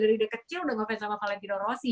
dari kecil udah ngefans sama valentina rossi